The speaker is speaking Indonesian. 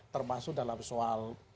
termasuk dalam soal